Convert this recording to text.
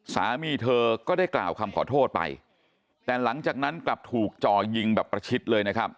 สามีเธอก็ได้กล่าวคำขอโทษไปแต่หลังจากนั้นกลับถูกจ่อยิงแบบประชิดเลยนะครับ